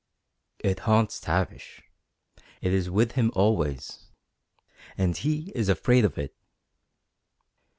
"It haunts Tavish. It is with him always. _And he is afraid of it!